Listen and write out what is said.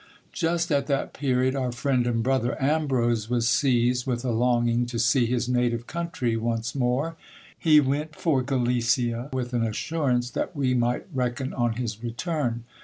Just at that period, our friend and brother Ambrose was seized with a longing to see his native country once more. He went for Galicia with an assurance that we might reckon on his return.